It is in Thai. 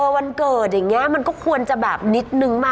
วันเกิดอย่างนี้มันก็ควรจะแบบนิดนึงป่